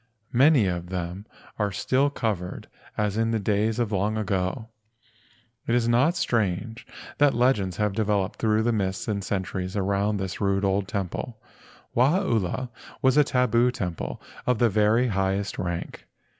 Many of them are still covered as in the days of the long ago. It is not strange that legends have developed through the mists of the centuries around this rude old temple. Wahaula was a tabu temple of the very highest rank.